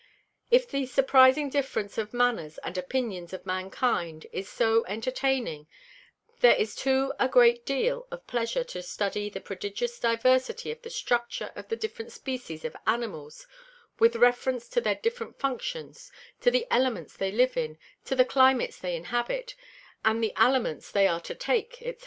If the surprising difference of Manners and Opinions of Mankind is so entertaining; there is too a great deal of Pleasure to study the prodigious diversity of the Structure of the different Species of Animals, with reference to their different Functions, to the Elements they live in, to the Climates they inhabit, and the Aliments they are to take, _&c.